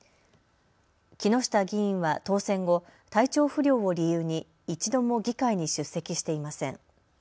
木下議員は当選後、体調不良を理由に一度も議会に出席していません。